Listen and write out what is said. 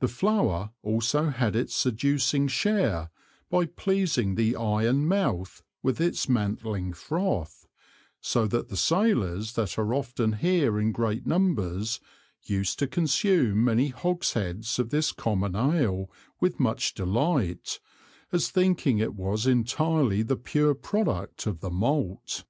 The Flower also had its seducing share by pleasing the Eye and Mouth with its mantling Froth, so that the Sailors that are often here in great Numbers used to consume many Hogsheads of this common Ale with much delight, as thinking it was intirely the pure Product of the Malt.